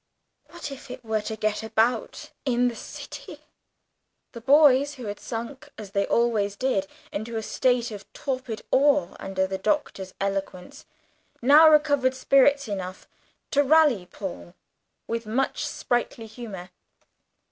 What if it were to get about in the city! The boys, who had sunk, as they always did, into a state of torpid awe under the Doctor's eloquence, now recovered spirits enough to rally Paul with much sprightly humour.